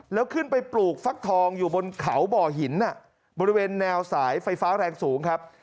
แล้วขึ้นไปปลูกฟักทองอยู่บนเขาบ่อหินบริเวณแนวสายไฟฟ้าแรงสูงครับ